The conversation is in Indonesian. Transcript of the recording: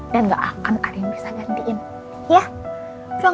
dan gak akan ada yang bisa nyatakan